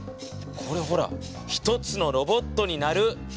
これほら一つのロボットになる。